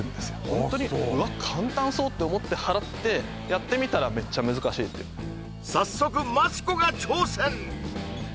ホントにうわっ簡単そうって思って払ってやってみたらメッチャ難しいですよ早速マツコが挑戦